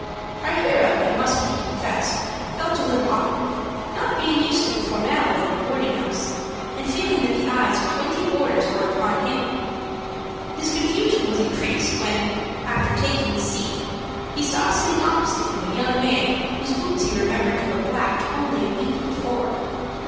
Our hero, it must be confessed, felt a little awkward, not being used to the formality of a boarding house, and feeling that the eyes of twenty boarders were upon him. His confusion was increased, when, after taking his seat, he saw sitting opposite him, a young man whose boots he remembered to have blacked only a week before.